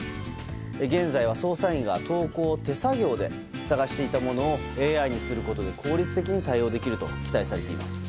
現在は捜査員が投稿を手作業で探していたものをＡＩにすることで効率的に対応できると期待されています。